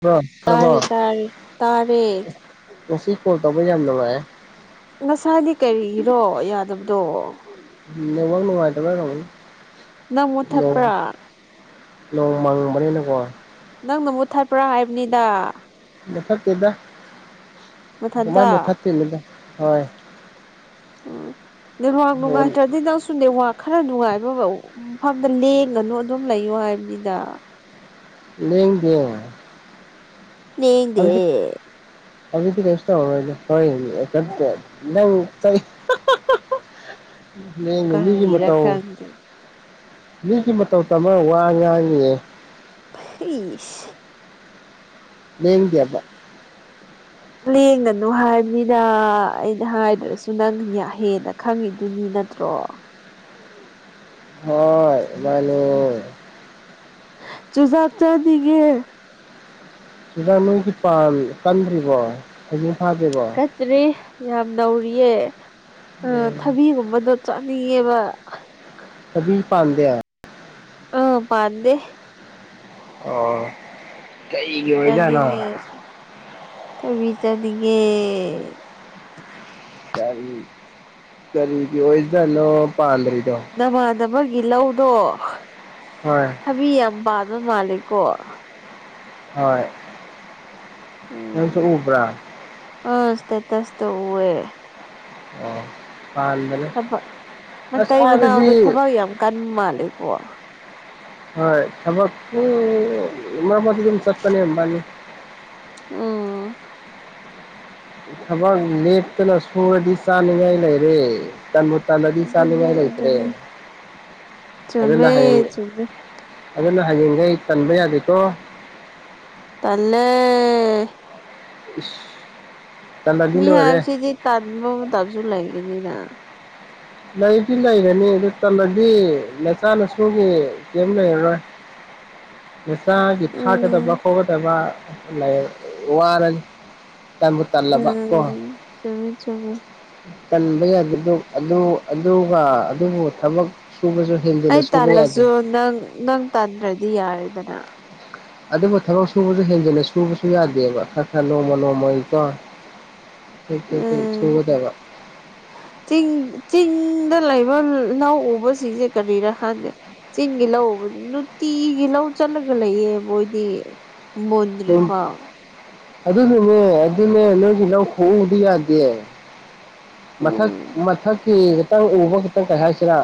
ꯍꯣ ꯄꯔꯕꯣ [inaudible] ꯇꯥꯔꯦ ꯇꯥꯔꯦ ꯇꯥꯔꯦ ꯉꯁꯤ ꯐꯣꯟ ꯇꯧꯕ ꯌꯥꯝ ꯅꯨꯡꯉꯥꯏ ꯉꯁꯥꯏꯗꯤ ꯀꯔꯤꯒꯤꯔꯣ ꯌꯥꯗꯕꯗꯣ ꯅꯦꯠꯋꯥꯛ ꯅꯨꯡꯉꯥꯏꯇꯕꯩ ꯑꯣꯢꯔꯝꯃꯤ ꯅꯪ ꯅꯣꯡ ꯃꯨꯠꯊꯠꯄ꯭ꯔꯥ ꯅꯣꯡ ꯃꯥꯡꯕꯅꯤꯅꯀꯣ ꯅꯪꯅ ꯃꯨꯠꯊꯠꯄ꯭ꯔꯥ ꯍꯥꯏꯕꯅꯤꯗ ꯃꯨꯊꯥꯠꯇꯦꯗ ꯀꯃꯥꯢ ꯃꯊꯟꯇ ꯃꯨꯊꯥꯠꯇꯣꯢꯅꯣꯗ ꯍꯣꯢ ꯎꯝ ꯅꯦꯠꯋꯥꯛ ꯅꯨꯡꯉꯥꯢꯇꯔꯗꯤ ꯅꯪꯁꯨ ꯅꯦꯠꯋꯥꯛ ꯈꯔ ꯅꯨꯡꯉꯥꯏꯕ ꯃꯐꯝꯗ ꯂꯦꯡꯒꯅꯨ ꯑꯗꯨꯝ ꯂꯩꯌꯣ ꯍꯥꯏꯕꯅꯤꯗ ꯂꯦꯡꯗꯦ ꯂꯦꯡꯗꯦ ꯑꯗꯤ ꯀꯦꯁꯇ ꯀ [inaudible] ꯅꯪ ꯃꯤ ꯃꯤꯒꯤ ꯀꯔꯤꯔ ꯃꯇꯥꯎ ꯈꯪꯗꯦ ꯃꯤꯒꯤ ꯃꯇꯧ ꯇꯝꯃ ꯋꯥ ꯉꯥꯡꯉꯤꯌꯦ ꯏꯁ ꯂꯦꯡꯗꯦꯕ ꯂꯦꯡꯒꯅꯨ ꯍꯥꯏꯕꯅꯤꯗ ꯑꯩꯅ ꯍꯥꯏꯗ꯭ꯔꯁꯨ ꯅꯪ ꯌꯥꯍꯦꯟꯅ ꯈꯪꯉꯤꯗꯨꯅꯤ ꯅꯠꯇ꯭ꯔꯣ ꯍꯣꯏ ꯃꯥꯅꯦ ꯆꯨꯖꯥꯛ ꯆꯥꯅꯤꯡꯉꯦ ꯆꯨꯖꯥꯛ ꯅꯣꯏꯒꯤ ꯀꯥꯟꯟ ꯄꯟꯗ꯭ꯔꯤꯕꯣ ꯍꯩꯖꯤꯡ ꯐꯥꯗꯔꯤꯕꯣ ꯀꯥꯟꯗꯔꯤ ꯌꯥꯝ ꯅꯧꯔꯤꯌꯦ ꯑ ꯊꯕꯤꯒꯨꯝꯕꯗꯣ ꯆꯥꯅꯤꯡꯉꯦꯕ ꯊꯕꯤ ꯄꯥꯟꯗꯦ ꯑꯝ ꯄꯥꯟꯗꯦ ꯑꯣ ꯀꯩꯒꯤ ꯑꯣꯏꯖꯥꯠꯅꯣ ꯆꯥꯅꯤꯡꯉꯦ ꯊꯕꯤ ꯆꯥꯅꯤꯡꯉꯦ ꯀꯔꯤꯒꯤ ꯑꯣꯏꯖꯥꯠꯅꯣ ꯄꯥꯟꯗꯔꯤꯗꯣ ꯅꯃꯥꯟꯅꯒꯤ ꯂꯧꯗꯣ ꯍꯣꯏ ꯊꯕꯤ ꯌꯥꯝ ꯄꯥꯟꯕ ꯃꯥꯂꯦ ꯀꯣ ꯍꯣꯏ ꯅꯪꯁꯨ ꯎꯕ꯭ꯔꯥ ꯑ ꯁꯇꯦꯠꯇꯁ ꯇ ꯎꯑꯦ ꯑꯣ ꯄꯥꯜ ꯊꯕꯛ ꯃꯇꯩ ꯃꯅꯥꯎꯗꯣ ꯊꯕꯛ ꯌꯥꯝ ꯀꯟꯕ ꯃꯥꯜꯂꯦꯀꯣ ꯍꯣꯏ ꯊꯕꯛ ꯏꯝ ꯃꯔꯛ ꯃꯔꯛꯇꯤ ꯑꯗꯨꯝ ꯆꯠꯄꯅꯦ ꯃꯕꯥꯅꯤ ꯑꯝ ꯊꯕꯛ ꯂꯦꯇꯅ ꯁꯨꯔꯗꯤ ꯆꯥꯅꯤꯡꯉꯥꯏ ꯂꯩꯔꯦ ꯇꯟꯕꯨ ꯇꯜꯂꯗꯤ ꯑꯗꯨꯅꯤ ꯆꯥꯅꯤꯡꯉꯥꯏ ꯂꯩꯇ꯭ꯔꯦ ꯑꯗꯨꯅꯤ ꯑꯗꯨꯅ ꯆꯨꯝꯃꯦ ꯍꯌꯦꯡ ꯆꯨꯝꯃꯦ ꯑꯗꯨꯅ ꯍꯌꯦꯡꯒꯩ ꯇꯟꯕ ꯌꯥꯗꯦꯀꯣ ꯇꯜꯂꯦ ꯏꯁ ꯇꯜꯂꯗꯤ ꯃꯤ ꯂꯣꯏꯔꯦ ꯍꯥꯏꯕꯁꯤꯗꯤ ꯇꯟꯕ ꯃꯇꯝꯁꯨ ꯂꯩꯒꯅꯤꯅ ꯂꯩꯗꯤ ꯂꯩꯔꯅꯤ ꯑꯗꯨ ꯇꯜꯂꯗꯤ ꯅꯆꯥ ꯅꯁꯨꯒꯤ ꯀꯔꯤꯝ ꯂꯩꯔꯔꯣꯏ [unintelligible] ꯃꯆꯥꯒꯤ ꯊꯥꯛꯀꯗꯕ ꯎꯝ ꯈꯣꯠꯀꯗꯕ ꯂꯩꯔ ꯋꯥꯔꯅꯤ ꯇꯟꯕꯨ ꯇꯜꯂꯕ ꯀꯣ ꯎꯝ ꯆꯨꯝꯃꯦ ꯆꯨꯝꯃꯦ ꯇꯟꯕ ꯌꯥꯕꯗꯨ ꯑꯗꯨ ꯑꯗꯨꯒ ꯑꯗꯨꯕꯨ ꯊꯕꯛ ꯁꯨꯕꯁꯨ ꯍꯦꯜ ꯑꯩ ꯇꯜꯂꯁꯨ ꯅꯪ ꯅꯪ ꯇꯟꯗ꯭ꯔꯗꯤ ꯌꯥꯔꯦꯗꯅ ꯑꯗꯨꯕꯨ ꯊꯕꯛ ꯁꯨꯕꯁꯨ ꯍꯦꯟꯖꯤꯟꯅ ꯁꯨꯕꯁꯨ ꯌꯥꯗꯦꯕ ꯈꯔ ꯈꯔ ꯅꯣꯡꯃ ꯅꯣꯡꯃꯒꯤꯀꯣ [unintelligible] ꯎꯝ ꯁꯨꯒꯗꯕ ꯆꯤꯡ ꯆꯤꯡꯗ ꯂꯩꯕ ꯂꯧ ꯎꯕꯁꯤꯡꯁꯦ ꯀꯔꯤꯔ ꯈꯪꯗꯦ ꯆꯤꯡꯒꯤ ꯂꯧ ꯎꯕ ꯅꯨꯡꯇꯤꯒꯤ ꯂꯧ ꯆꯠꯂꯒ ꯂꯩꯌꯦ ꯃꯣꯏꯗꯤ ꯃꯨꯟꯗ꯭ꯔꯤ ꯑꯗꯨꯝ ꯐꯥꯎ ꯑꯗꯨꯅꯅꯦ ꯑꯗꯨꯅꯦ ꯅꯣꯏꯒꯤ ꯂꯧ ꯈꯨꯎꯗꯨ ꯌꯥꯗꯦ ꯃꯊꯛ ꯎꯝ ꯃꯊꯛꯀꯤ ꯈꯇꯪ ꯎꯕ ꯈꯇꯪ ꯀꯩ ꯍꯥꯏꯁꯤꯔꯥ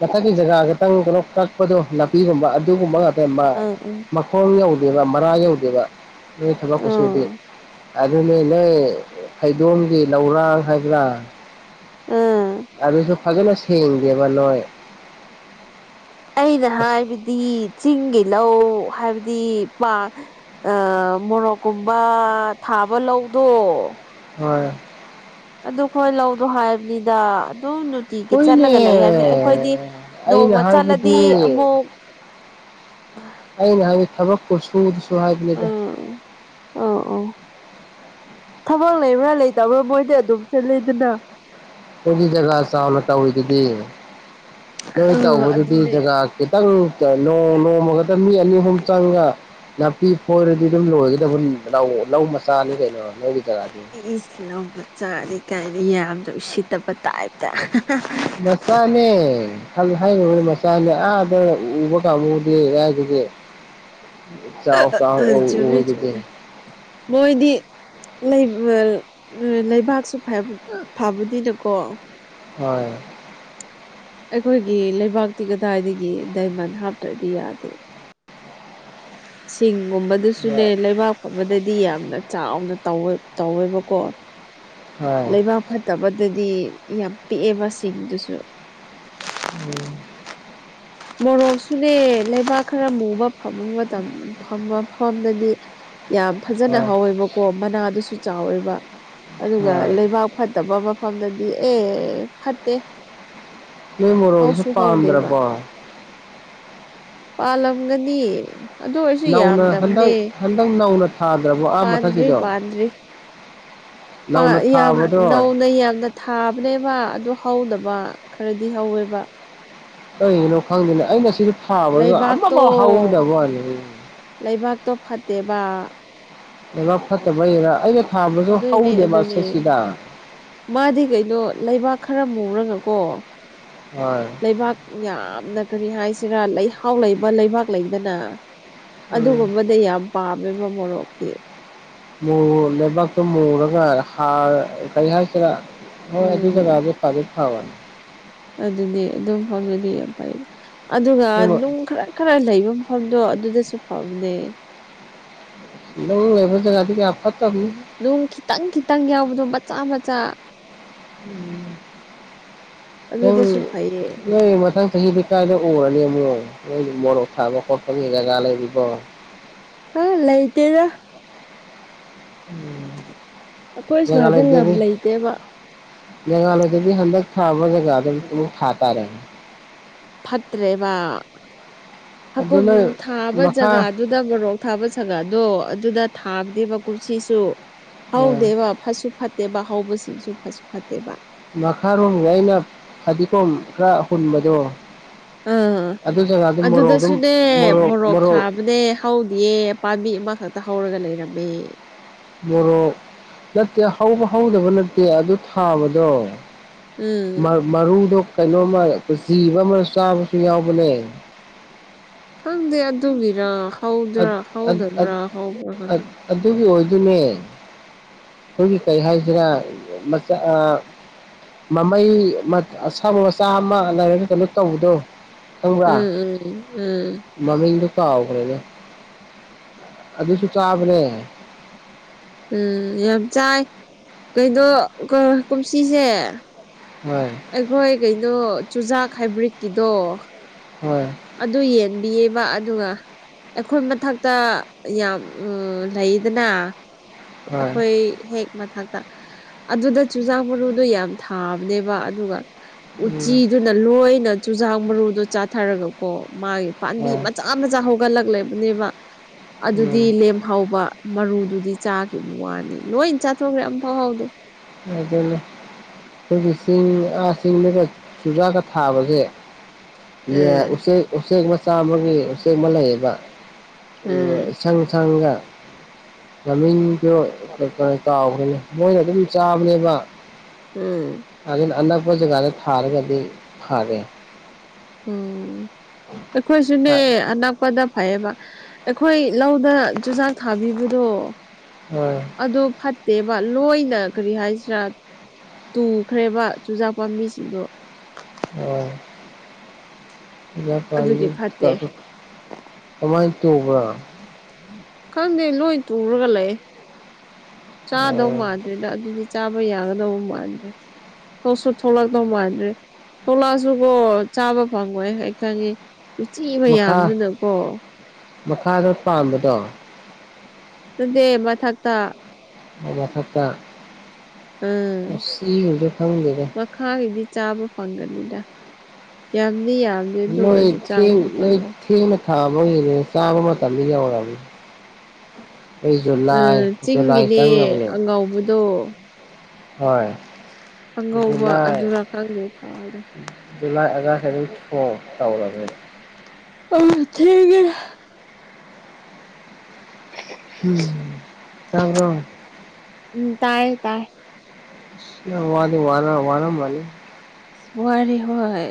ꯃꯊꯛꯀꯤ ꯖꯒꯥ ꯈꯛꯇꯪ ꯀꯩꯅꯣ ꯀꯛꯄꯗꯣ ꯅꯥꯄꯤꯒꯨꯝꯕ ꯑꯗꯨꯒꯨꯝꯕ ꯉꯥꯛ ꯎꯝ ꯎꯝ [unintelligible] ꯃꯈꯣꯡ ꯌꯧꯗꯦꯕ ꯃꯔꯥ ꯌꯧꯗꯦꯕ ꯅꯣꯏ ꯊꯕꯛ ꯎꯝ ꯈꯨꯁꯨꯗꯤ ꯑꯗꯨꯅꯦ ꯅꯣꯏ ꯍꯩꯗꯣꯝꯒꯤ ꯂꯧꯔꯥꯡ ꯍꯥꯏꯕ꯭ꯔꯥ ꯎꯝ ꯑꯗꯨꯁꯨ ꯐꯖꯅ ꯁꯦꯡꯗꯦꯕ ꯅꯣꯏ ꯑꯩꯅ ꯑꯁ ꯍꯥꯏꯕꯗꯤ ꯆꯤꯡꯒꯤ ꯂꯧ ꯍꯥꯏꯕꯗꯤ ꯄꯥꯥ ꯑ ꯃꯣꯔꯣꯛ ꯀꯨꯝꯕ ꯊꯥꯕ ꯂꯧꯗꯣ ꯍꯣꯏ ꯑꯗꯨ ꯈꯣꯏ ꯂꯧꯗꯣ ꯍꯥꯏꯕꯅꯤꯗ ꯑꯗꯨꯝ ꯅꯨꯠ ꯇꯤꯒꯤ ꯍꯣꯏꯅꯦ ꯆꯠꯂꯒ ꯂꯩ ꯍꯥꯏꯕꯅꯦ ꯑꯩꯈꯣꯏꯗꯤ ꯑꯩꯅ ꯅꯣꯡꯃ ꯍꯥꯏꯕꯗꯤ ꯆꯠꯂꯗꯤ ꯑꯃꯨꯛ [unintelligible] ꯑꯩꯅ ꯍꯥꯏꯗꯤ ꯊꯕꯛꯄꯨ ꯁꯨ ꯁꯨ ꯍꯥꯏꯕꯅꯤꯗ ꯑꯥ ꯑꯣ ꯊꯕꯛ ꯂꯩꯕ꯭ꯔꯥ ꯂꯩꯇꯕ꯭ꯔꯥ ꯃꯣꯏꯗꯤ ꯑꯗꯨꯝ ꯆꯠꯂꯤꯗꯅꯥ ꯑꯩꯈꯣꯏꯒꯤ ꯖꯒꯥ ꯆꯥꯎꯅ ꯇꯧꯔꯤꯗꯨꯗꯤ ꯅꯣꯏ ꯑ ꯇꯧꯕꯗꯨꯗꯤ ꯑꯗꯨꯅꯦ ꯖꯒꯥ ꯈꯤꯇꯪ ꯇ ꯅꯣꯡ ꯅꯣꯡꯃꯈꯛꯇ ꯃꯤ ꯑꯅꯤ ꯑꯍꯨꯝ ꯆꯪꯉꯒ ꯅꯥꯄꯤ ꯐꯣꯏꯔꯗꯤ ꯑꯗꯨꯝ ꯂꯣꯏꯒꯗꯕ ꯂꯧ ꯂꯧ ꯃꯆꯥꯅꯤ ꯀꯩꯅꯣ ꯅꯣꯏꯒꯤ ꯖꯒꯥꯗꯤ ꯏꯁ ꯂꯧ ꯃꯆꯥꯅꯤ ꯀꯥꯏꯅ ꯌꯥꯝꯅ ꯎꯁꯤꯠꯇꯕ ꯇꯥꯏꯞꯇ ꯃꯆꯥꯅꯦ ꯃꯆꯥꯅꯦ ꯑꯥꯗ ꯎꯕ ꯀꯥꯡꯕꯨꯗꯤ ꯔꯥꯏꯗꯨꯗꯤ ꯆꯥꯎ ꯆꯥꯎ ꯎꯝ ꯑꯣꯏ ꯆꯨꯝꯃꯦ ꯎꯕꯗꯨꯗꯤ ꯆꯨꯝꯃꯦ ꯃꯣꯏꯗꯤ ꯂꯩ ꯑꯥ ꯂꯩꯕꯥꯛꯁꯨ ꯐꯕ ꯐꯕꯅꯤꯅꯀꯣ ꯍꯣꯏ ꯑꯩꯈꯣꯏꯒꯤ ꯂꯩꯕꯥꯛꯇꯤ ꯀꯗꯥꯏꯗꯒꯤ ꯗꯥꯏꯃꯟ ꯍꯥꯞꯇ꯭ꯔꯗꯤ ꯌꯥꯗꯦ ꯁꯤꯡꯒꯨꯝꯕꯗꯨꯁꯨꯅꯦ ꯂꯩꯕꯥꯛ ꯐꯕꯗꯗꯤ ꯌꯥꯝꯅ ꯆꯥꯎꯅ ꯇꯧꯑꯦ ꯇꯧꯋꯦꯕꯀꯣ ꯍꯣꯏ ꯂꯩꯕꯥꯛ ꯐꯠ ꯇꯕꯗꯗꯤ ꯌꯥꯝ ꯄꯤꯛꯑꯦꯕ ꯁꯤꯡꯗꯨꯁꯨ꯫ ꯎꯝ ꯃꯣꯔꯣꯛꯁꯨꯅꯦ ꯂꯩꯕꯥꯛ ꯈꯔ ꯃꯨꯕ ꯐꯕ ꯃꯇꯝ ꯐꯝꯕꯝ ꯐꯝꯗꯗꯤ ꯌꯥꯝ ꯐꯖꯅꯥ ꯍꯣꯏ ꯍꯧꯋꯦꯕꯀꯣ ꯃꯅꯥꯗꯨꯁꯨ ꯆꯥꯎꯋꯦꯕ꯫ ꯑꯗꯨꯒ ꯍꯣꯏ ꯂꯩꯕꯥꯛ ꯐꯠꯇꯕ ꯃꯐꯝꯗꯗꯤ ꯑꯦ ꯐꯠꯇꯦ꯫ ꯅꯣꯏ ꯃꯣꯔꯣꯛꯁꯨ ꯍꯧꯁꯨ ꯍꯧꯗꯦꯕ ꯄꯥꯟꯗ꯭ꯔꯥꯕꯣ? ꯄꯥꯜꯂꯝꯒꯅꯤ ꯑꯗꯨ ꯑꯣꯏꯔꯁꯨ ꯅꯧꯅ ꯌꯥꯝꯗꯝꯅꯦ꯫ ꯍꯟꯗꯛ ꯍꯟꯗꯛ ꯅꯧꯅ ꯊꯥꯗ꯭ꯔꯕꯣ? ꯑꯥ ꯄꯥꯟꯗ꯭ꯔꯤ ꯃꯊꯛꯀꯤꯗꯣ ꯄꯥꯟꯗ꯭ꯔꯤ ꯄꯥ ꯅꯧꯅ ꯌꯥꯝ ꯊꯥꯕꯗꯣ ꯅꯧꯅ ꯌꯥꯝꯅ ꯊꯥꯕꯅꯦꯕꯥ ꯑꯗꯨ ꯍꯧꯗꯕ ꯈꯔꯗꯤ ꯍꯧꯋꯦꯕꯥ꯫ ꯀꯩꯒꯤꯅꯣ ꯈꯪꯗꯦꯅ ꯑꯩꯅ ꯁꯤꯗ ꯊꯥꯕ ꯑꯃꯐꯥꯎ ꯂꯩꯕꯥꯛꯇꯣ ꯍꯧꯗꯕ ꯋꯥꯅꯤ꯫ ꯂꯩꯕꯥꯛꯇꯣ ꯐꯠꯇꯦꯕ꯫ ꯂꯩꯕꯥꯛ ꯐꯠꯇꯕꯒꯤꯔꯥ ꯑꯩꯅ ꯊꯥꯕꯁꯨ ꯑꯗꯨꯏꯅꯦ ꯍꯧꯗꯦꯕ ꯑꯗꯨꯅꯦ ꯑꯁꯦꯁꯤꯗ꯫ ꯃꯥꯗꯤ ꯀꯩꯅꯣ ꯂꯩꯕꯥꯛ ꯈꯔ ꯃꯨꯨꯔꯒꯀꯣ ꯍꯣꯏ ꯂꯩꯕꯥꯛ ꯌꯥꯝꯅ ꯀꯔꯤ ꯍꯥꯏꯁꯤꯔꯥ ꯂꯩꯍꯥꯎ ꯂꯩꯕ ꯂꯩꯕꯥꯛ ꯂꯩꯗꯅ ꯎꯝ ꯑꯗꯨꯒꯨꯝꯕꯗ ꯌꯥꯝ ꯄꯥꯝꯃꯦꯕ ꯃꯣꯔꯣꯛꯇꯤ꯫ ꯃꯨꯔ ꯂꯩꯕꯥꯛꯇꯣ ꯃꯨꯔꯒꯥ ꯍꯥꯔ ꯀꯔꯤ ꯍꯥꯏꯁꯤꯔꯥ ꯍꯣꯏ ꯑꯗꯨ ꯎꯝ [unintelligible] ꯑꯗꯨꯅꯦ ꯑꯗꯨꯝ ꯃꯐꯝꯗꯨꯗꯤ ꯌꯥꯝ ꯐꯩ ꯌꯦ ꯑꯗꯨꯒꯥ ꯑꯗꯨꯕꯨ ꯅꯨꯡ ꯈꯔꯛ ꯈꯔ ꯂꯩꯕ ꯃꯐꯝꯗꯣ ꯑꯗꯨꯗꯁꯨ ꯐꯕꯅꯦ꯫ ꯅꯨꯡ ꯂꯩꯕ ꯖꯒꯥꯗꯤ ꯀꯌꯥ ꯐꯠꯇꯝꯅꯤ꯫ ꯅꯨꯡ ꯈꯤꯇꯪ- ꯈꯤꯇꯪ ꯌꯥꯎꯕꯗꯣ ꯃꯆꯥ - ꯃꯆꯥ ꯎꯝ ꯅꯪ ꯑꯗꯨꯗꯁꯨ ꯐꯩꯌꯦ ꯅꯣꯏ ꯃꯊꯪ ꯆꯍꯤꯗꯤ ꯀꯥꯏꯗ ꯎꯔꯅꯤ ꯑꯃꯨꯛ ꯅꯣꯏꯗꯤ ꯃꯣꯔꯣꯛ ꯊꯥꯕ ꯈꯣꯠꯄꯅꯤ ꯖꯒꯥ ꯂꯩꯔꯤꯕꯣ? ꯑꯥ ꯂꯩꯇꯦꯗ꯫ ꯎꯝ ꯑꯩꯈꯣꯏ ꯁ꯭ꯋꯥꯏꯗ ꯂꯝ ꯖꯒꯥꯂꯩꯇ꯭ꯔꯗꯤ ꯂꯩꯇꯦꯕ ꯖꯒꯥ ꯂꯩꯇ꯭ꯔꯗꯤ ꯍꯟꯗꯛ ꯊꯥꯕ ꯖꯒꯥꯗ ꯑꯃꯨꯛ ꯊꯥꯇꯥꯔꯦ꯫ ꯐꯠꯇ꯭ꯔꯦꯕ ꯑꯗꯨ ꯍꯀꯨꯝ ꯅꯣꯏ ꯊꯥꯕ ꯃꯈꯥ ꯖꯒꯥꯗꯨ ꯑꯗꯨ ꯃꯣꯔꯣꯛ ꯊꯥꯕ ꯖꯒꯥꯗꯣ ꯑꯗꯨꯗ ꯊꯥꯕꯅꯦꯕꯥ ꯀꯨꯝꯁꯤꯁꯨ ꯑ ꯍꯧꯗꯦꯕ ꯐꯠꯁꯨ ꯐꯠꯇꯦꯕ ꯍꯧꯕꯁꯤꯡꯁꯨ ꯐꯠꯁꯨ ꯐꯠꯇꯦꯕ꯫ ꯃꯈꯥꯔꯣꯝꯒꯤ ꯑꯩꯅ ꯐꯗꯤꯒꯣꯝ ꯈꯔ ꯍꯨꯟꯕꯗꯣ ꯑꯥ ꯑꯗꯨ ꯖꯒꯥꯗꯨ ꯃꯣꯔꯣꯛ ꯑꯗꯨꯝ ꯑꯗꯨꯗꯁꯨꯅꯦ ꯃꯣꯔꯣꯛ ꯊꯥꯕꯅꯦ꯫ ꯍꯧꯗꯤꯌꯦ ꯄꯥꯝꯕꯤ ꯑꯃꯈꯛꯇ ꯍꯧꯔꯒ ꯂꯩꯔꯝꯃꯦ꯫ ꯃꯣꯔꯣꯛ ꯅꯠꯇꯦ ꯍꯧꯕ ꯍꯧꯗꯕ ꯅꯠꯇꯦ ꯑꯗꯨ ꯊꯥꯕꯗꯣ ꯎꯝ ꯃꯔꯨꯗꯣ ꯀꯩꯅꯣꯝꯃ ꯖꯤꯕ ꯑꯃ ꯆꯥꯕꯁꯨ ꯌꯥꯎꯕꯅꯦ ꯈꯪꯗꯦ ꯑꯗꯨꯒꯤꯔ ꯍꯧꯗ꯭ꯔꯥ ꯍꯧꯗꯕ꯭ꯔꯥ ꯍꯧꯕ꯭ꯔꯥ ꯈꯪꯗꯦ꯫ ꯑꯗꯨꯒꯤ ꯑꯣꯏꯗꯨꯅꯦ꯫ ꯑꯩꯈꯣꯏꯒꯤ ꯀꯩ ꯍꯥꯏꯁꯤꯔ ꯃꯆꯥ ꯑꯥ ꯃꯃꯩ ꯃ ꯑꯁꯥꯡꯕ ꯃꯆꯥ ꯑꯃ ꯂꯩꯔꯒ ꯀꯩꯅꯣ ꯇꯧꯕꯗꯣ ꯈꯪꯕ꯭ꯔꯥ? ꯎꯝ ꯎꯝ ꯎꯝ ꯃꯃꯤꯡꯗꯣ ꯀꯥꯎꯈ꯭ꯔꯦꯅꯦ ꯑꯗꯨꯁꯨ ꯆꯥꯕꯅꯦ꯫ ꯎꯝ ꯌꯥꯝ ꯆꯥꯏ ꯀꯩꯅꯣ ꯀꯨꯝꯁꯤꯁꯦ ꯍꯣꯏ ꯑꯩꯈꯣꯏ ꯀꯩꯅꯣ ꯆꯨꯖꯥꯛ ꯍꯥꯏꯕ꯭ꯔꯤꯠꯀꯤꯗꯣ ꯍꯣꯏ ꯑꯗꯨ ꯌꯦꯟꯕꯤꯌꯦꯕ ꯑꯗꯨꯒ ꯑꯩꯈꯣꯏ ꯃꯊꯛꯇ ꯌꯥꯝ ꯂꯩꯗꯅ ꯍꯣꯏ ꯑꯩꯈꯣꯏ ꯍꯦꯛ ꯃꯊꯛꯇ ꯑꯗꯨꯗ ꯆꯨꯖꯥꯛ ꯃꯔꯨꯗꯣ ꯌꯥꯝ ꯊꯥꯕꯅꯦꯕ ꯑꯗꯨꯒ ꯎꯝ ꯎꯆꯤꯗꯨꯅ ꯂꯣꯏꯅ ꯆꯨꯖꯥꯛ ꯃꯔꯨꯗꯣ ꯆꯥꯊꯔꯒ ꯀꯣ ꯃꯥꯒꯤ ꯑ ꯄꯥꯝꯕꯤ ꯃꯆꯥ ꯑꯥ ꯃꯆꯥ ꯍꯧꯒꯠꯂꯛꯂꯦꯕꯅꯦꯕ ꯑꯗꯨꯗꯤ ꯎꯝ ꯂꯦꯝꯍꯥꯎꯕ ꯃꯔꯨꯗꯨꯗꯤ ꯆꯥꯈꯤꯕ ꯋꯥꯅꯤ ꯂꯣꯏ ꯆꯥꯊꯣꯛꯈ꯭ꯔꯦ ꯑꯃ ꯐꯥꯎ ꯍꯥꯎꯗꯦ ꯑꯗꯨꯅꯦ ꯑꯩꯈꯣꯏꯒꯤ ꯆꯤꯡ ꯆꯤꯡꯗꯨꯒ ꯆꯨꯖꯥꯛꯒ ꯊꯥꯕꯁꯦ ꯌꯥ ꯎꯝ ꯎꯆꯦꯛ ꯎꯆꯦꯛ ꯃꯆꯥ ꯑꯃꯒꯤ ꯎꯆꯦꯛ ꯑꯃ ꯂꯩꯌꯦꯕ ꯎꯝ ꯏꯁꯪ ꯁꯪꯒ ꯃꯃꯤꯡꯗꯣ ꯀꯥꯎꯒ꯭ꯔꯦꯅꯦ ꯃꯣꯏꯅ ꯑꯗꯨꯝ ꯆꯥꯕꯅꯦꯕ ꯎꯝ ꯑꯗꯨꯅ ꯑꯅꯥꯛꯄ ꯖꯒꯥꯗ ꯊꯥꯔꯒꯗꯤ ꯐꯥꯔꯦ ꯎꯝ ꯑꯩꯈꯣꯏꯁꯨꯅꯦ ꯑꯅꯛꯄꯗ ꯐꯩꯌꯦꯕ ꯑꯩꯈꯣꯏ ꯂꯧꯗ ꯆꯨꯖꯥꯛ ꯊꯥꯕꯤꯕꯗꯣ ꯍꯣꯏ ꯑꯗꯨ ꯐꯠꯇꯦꯕ ꯂꯣꯏꯅ ꯀꯔꯤ ꯍꯥꯏꯁꯤꯔꯥ ꯇꯨꯈ꯭ꯔꯦꯕ ꯆꯨꯖꯥꯛ ꯄꯥꯝꯕꯤꯁꯤꯡꯗꯣ ꯑꯣ ꯀꯌꯥꯝ ꯑꯗꯨꯒꯤ ꯄꯥꯟꯒꯦ ꯐꯠꯇꯦ ꯆꯨꯖꯥꯛꯇꯣ ꯀꯃꯥꯏꯟ ꯇꯧꯕ ꯈꯪꯗꯦ ꯂꯣꯏ ꯇꯨꯔꯒ ꯂꯩ ꯆꯥꯗꯧ ꯃꯥꯜꯂꯤ ꯅ ꯑꯗꯨꯗꯤ ꯆꯥꯕ ꯌꯥꯒꯗꯕ ꯃꯥꯟꯗ꯭ꯔꯦ ꯊꯣꯛꯁꯨ ꯊꯣꯛꯂꯛꯗꯧ ꯃꯥꯟꯗ꯭ꯔꯦ ꯊꯣꯂꯛꯑꯁꯨ ꯀꯣ ꯆꯥꯕ ꯐꯪꯉꯣꯏ ꯑꯩ ꯈꯪꯉꯤ ꯎꯆꯤ ꯃꯈꯥ ꯃꯌꯥꯝꯗꯨꯅꯀꯣ ꯃꯈꯥꯗ ꯄꯥꯝꯕꯗꯣ ꯅꯠꯇꯦ ꯃꯊꯛꯇ ꯑꯣ ꯃꯊꯛꯇꯥ ꯑꯥ ꯃꯈꯥꯒꯤꯗꯤ ꯆꯥꯕ ꯐꯪꯒꯅꯤꯗ ꯌꯥꯝꯗꯤ ꯌꯥꯝꯗꯦ ꯑꯗꯨ ꯑꯣꯏꯔꯁꯨ ꯆꯥꯕꯗꯤ ꯐꯪꯒꯅꯤ ꯊꯥ ꯑꯃ ꯍꯦꯜꯂꯦ ꯆꯥꯕ ꯃꯇꯝꯗꯤ ꯌꯥꯎꯔꯅꯤ ꯑꯩ ꯖꯨꯂꯥꯏ ꯖꯨꯂꯥꯏ ꯆꯪꯉꯕꯅꯦ ꯉꯥꯎꯕꯗꯣ ꯍꯣꯏ ꯑꯉꯧꯕ ꯑꯗꯨꯔ ꯈꯪꯗꯦ ꯊꯥꯕꯗꯣ ꯨꯖꯨꯂꯥꯏ ꯑꯒꯁ [unintelligible] ꯑꯥ ꯊꯦꯡꯉꯦ ꯎꯝ ꯇꯥꯕ꯭ꯔꯣ ꯎꯝ ꯇꯥꯏ ꯇꯥꯏ ꯅꯪ ꯋꯥꯗꯤ ꯋꯥꯔꯝ ꯋꯥꯔꯝꯃꯅꯤ ꯋꯥꯔꯤ ꯍꯣꯏ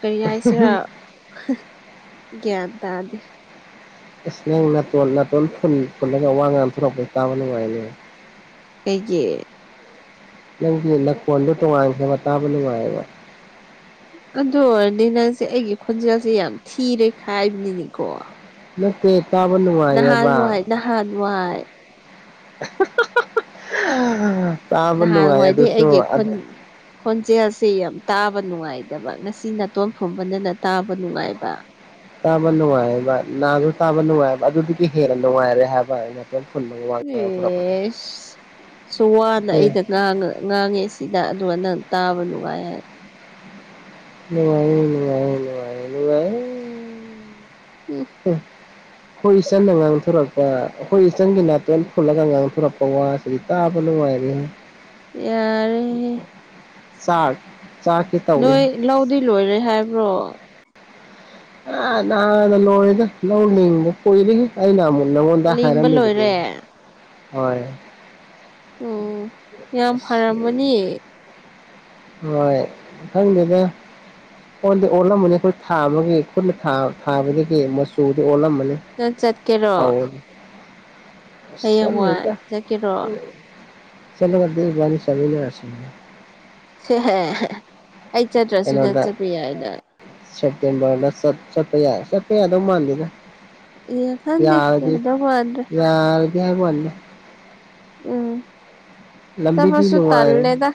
ꯀꯔꯤ ꯍꯥꯏꯁꯤꯔ ꯒ꯭ꯌꯥꯟ ꯇꯥꯗꯦ ꯏꯁ ꯅꯪ ꯅꯥꯇꯣꯟ ꯅꯥꯇꯣꯟ ꯐꯨꯟ ꯐꯨꯟꯂꯒ ꯋꯥ ꯉꯥꯡꯊꯣꯔꯛꯄ ꯇꯥꯕ ꯅꯨꯡꯉꯥꯏꯅꯦ ꯀꯩꯒꯤ ꯅꯪꯒꯤ ꯅꯈꯣꯟꯗꯣ ꯇꯣꯉꯥꯟꯈ꯭ꯔꯦꯕ ꯇꯥꯕ ꯅꯨꯡꯉꯥꯏꯌꯦꯕ ꯑꯗꯨ ꯑꯣꯏꯔꯗꯤ ꯅꯪꯁꯦ ꯑꯩꯒꯤ ꯈꯣꯟꯖꯦꯜꯁꯦ ꯌꯥꯝ ꯊꯤꯔꯦ ꯈꯥꯏꯕꯅꯤꯅꯤꯀꯣ ꯅꯠꯇꯦ ꯇꯥꯕ ꯅꯨꯡꯉꯥꯏꯌꯦꯕ ꯊꯥꯟꯋꯥꯏ ꯇꯥꯕ ꯅꯨꯡꯉꯥꯏ ꯅꯍꯥꯟꯋꯥꯏꯗꯤ ꯑꯗꯨꯁꯨ ꯑꯩꯒꯤ ꯈꯣꯟ ꯈꯣꯟꯖꯦꯜꯁꯦ ꯌꯥꯝ ꯇꯥꯕ ꯅꯨꯡꯉꯥꯏꯗꯕ ꯉꯁꯤ ꯅꯥꯇꯣꯟ ꯐꯨꯝꯕꯅꯦꯅ ꯇꯥꯕ ꯅꯨꯡꯉꯥꯏꯕ ꯇꯥꯕ ꯅꯨꯡꯉꯥꯏꯕ ꯅꯥꯗꯣ ꯇꯥꯕ ꯅꯨꯡꯉꯥꯏꯕ ꯑꯗꯨꯗꯒꯤ ꯍꯦꯟꯅ ꯅꯨꯡꯉꯥꯏꯔꯦ ꯍꯥꯏꯕ ꯍꯥꯏꯅ [unintelligible] ꯐꯨꯟꯕꯕꯨ ꯑꯦꯁ ꯁꯨꯛ ꯋꯥꯅ ꯑꯦ ꯑꯩꯅ ꯉꯥꯡꯉ ꯉꯥꯡꯉꯦ ꯁꯤꯗ ꯑꯗꯨꯒ ꯅꯪ ꯇꯥꯕ ꯅꯨꯡꯉꯥꯏ ꯍꯥꯏ ꯅꯨꯡꯉꯥꯏ ꯅꯨꯡꯉꯥꯏ ꯅꯨꯡꯉꯥꯏ ꯅꯨꯡꯉꯥꯏ ꯎꯝ ꯎꯝ ꯑꯩꯈꯣꯏ ꯏꯆꯟꯗ ꯉꯥꯡꯊꯣꯔꯛꯄ ꯑꯩꯈꯣꯏ ꯏꯆꯟꯒꯤ ꯅꯥꯇꯦꯜ ꯐꯨꯜꯂꯒ ꯉꯥꯡꯊꯣꯔꯛꯄ ꯋꯥꯁ ꯀꯔꯤꯇꯥꯕꯂꯣ ꯍꯥꯏꯒ ꯌꯥꯔ ꯆꯥꯛ ꯆꯥꯛ ꯅꯣꯏ ꯂꯧꯗꯤ ꯂꯣꯏꯔꯦ ꯍꯥꯏꯕ꯭ꯔꯣ ꯑ ꯅꯣꯗ ꯅꯣꯅꯤ ꯍꯗꯤ ꯄꯂꯤ ꯍ ꯀꯥꯏꯅ ꯃꯗ ꯃꯣꯟꯗ ꯍ ꯂꯤꯡꯕ ꯍꯥꯏꯥꯏꯔꯝꯅꯤ ꯂꯣꯏꯔꯦ ꯍ ꯑꯣ ꯌꯥꯝ ꯑꯁ ꯐꯔꯝꯃꯅꯤ ꯍꯣꯏ ꯈꯪꯗꯦꯗ ꯑꯣꯗꯤ ꯑꯣꯜꯂꯝꯃꯅꯤ ꯑꯩꯈꯣꯏ ꯊꯥꯝꯃꯒ ꯈꯨꯠꯅ ꯊꯥꯕ ꯊꯥꯕꯗꯒꯤ ꯎꯝ ꯃꯆꯨꯗꯨ ꯑꯣꯜꯂꯝꯃꯅꯤ ꯅꯪ ꯆꯠꯀꯦꯔꯣ ꯍꯥꯎꯗꯤ ꯍꯌꯦꯡꯋꯥꯏ ꯆꯠꯀꯦꯔꯣ ꯆꯠꯂꯣꯒꯗꯤ ꯋꯥꯅꯤ ꯆꯅꯔꯁꯤꯦ ꯁꯤꯍꯦ ꯑꯩ ꯆꯠꯇ꯭ꯔꯁꯨ ꯅ ꯀꯩꯅꯣꯗ ꯆꯠꯄ ꯌꯥꯏꯅ ꯁꯦꯞꯇꯦꯝꯕꯔꯗ ꯁꯠꯇ ꯍ ꯁꯠꯇ ꯍꯗꯧ ꯃꯥꯥꯟꯗꯗ ꯌꯦ ꯈꯪꯗꯤ ꯌꯥꯗꯣꯕꯗ꯭ꯔꯦ ꯌꯥꯔ ꯀꯦꯕꯣꯅꯤ ꯎꯝ ꯂ ꯂꯝꯕꯤ ꯊ ꯆꯠꯄꯁꯨ ꯂꯔ ꯇꯜꯂꯦꯗ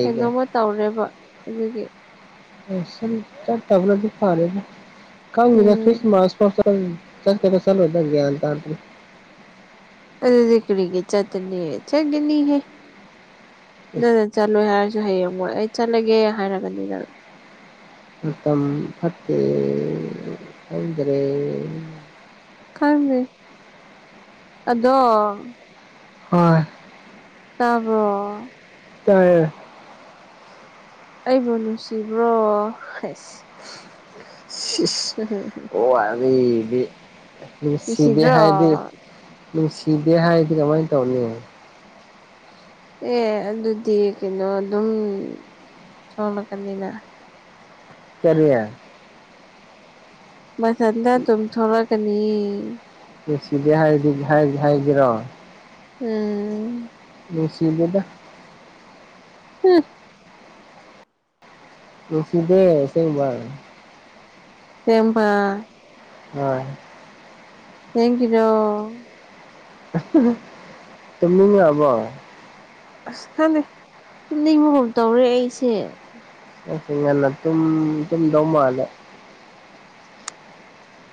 ꯀꯩꯅꯣꯝꯃ ꯇꯧꯔꯦꯕ ꯑꯗꯨꯒꯤ ꯑꯁ ꯆ ꯇꯕꯗꯤ ꯐꯔꯦ ꯀꯅ ꯃꯥ ꯎꯝ ꯐ ꯆꯁꯒ ꯆꯠꯂ ꯑꯣꯏꯗꯪꯒꯦ ꯍꯥꯏꯇꯣ ꯑ ꯂꯤ ꯀꯔꯤꯒꯤ ꯆꯥꯠꯇꯅꯤ ꯆꯒꯅꯤ ꯍꯦ ꯆꯠꯂꯣꯏ ꯍꯥꯏꯔꯁꯨ ꯍꯌꯦꯡꯉꯣꯏ ꯑꯩ ꯆꯠꯂꯒꯦ ꯍꯥꯏꯔꯒꯅꯤꯗꯪ ꯇꯝ ꯐꯠꯇꯦ ꯑꯗꯨꯗ꯭ꯔꯦ ꯀꯥꯏ ꯑꯗꯣ ꯍꯣꯏ ꯇꯥꯕ꯭ꯔꯣ ꯇꯌꯦ ꯑꯩꯕꯨ ꯅꯨꯡꯁꯤꯕ꯭ꯔꯣ ꯍꯥꯏꯁ ꯑꯣ ꯑ ꯐꯗꯤ ꯅꯨꯡꯁꯤꯗꯦ ꯅꯨꯡꯁꯤꯗ꯭ꯔꯣ ꯍꯥꯏꯗꯤ ꯅꯨꯡꯁꯤꯗꯦ ꯍꯥꯏꯔꯗꯤ ꯀꯃꯥꯏꯅ ꯇꯧꯅꯤ ꯑꯦ ꯑꯗꯨꯗꯤ ꯀꯩꯅꯣ ꯑꯗꯨꯝ ꯊꯣꯂꯛꯀꯅꯤꯅ ꯀꯔꯤ ꯃꯊꯟꯇ ꯑꯗꯨꯝ ꯊꯣꯛꯂꯛꯒꯅꯤ ꯅꯨꯁꯤꯕꯤ ꯍꯥꯏꯔꯗꯤ ꯍꯥꯏꯗꯤ ꯍꯥꯏꯒꯦꯔꯣ ꯎꯝ ꯅꯨꯡꯁꯤꯗꯦꯗ ꯍꯨꯝ ꯅꯨꯁꯤꯗꯦ ꯑꯁꯦꯡꯕ ꯁꯦꯝꯕ ꯍꯣꯢ ꯊꯦꯡ ꯀꯤꯔꯣ ꯇꯨꯝꯅꯤꯡꯔꯕꯣ ꯑꯁ ꯈꯪꯗꯦ ꯇꯨꯝꯅꯤꯡꯕꯒꯨ ꯇꯧꯔꯦ ꯑꯩꯁꯦ ꯅꯪꯁꯦꯉꯟꯅ ꯇꯨꯝ ꯇꯨꯝꯗꯧ ꯃꯥꯂꯦ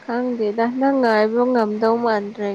ꯈꯪꯗꯦꯗ ꯅꯪ ꯉꯥꯏꯕ ꯉꯝꯗꯧ ꯃꯥꯟꯗ꯭ꯔꯦ